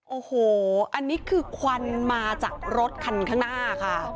โอ้โหอันนี้คือควันมาจากรถคันข้างหน้าค่ะ